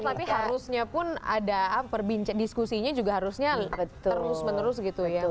tapi harusnya pun ada diskusinya juga harusnya terus menerus gitu ya